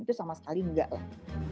itu sama sekali enggak lah